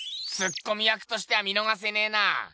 ツッコミ役としては見のがせねぇな。